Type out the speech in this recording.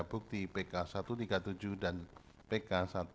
bukti pk satu ratus tiga puluh tujuh dan pk satu ratus delapan puluh